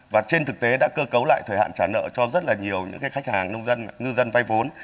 và trên thực tế đã cơ cấu lại thời hạn trả nợ cho rất là nhiều những khách hàng nông dân ngư dân vay vốn